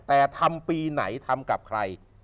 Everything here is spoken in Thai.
แต่ทำปีไหนทำกับใคร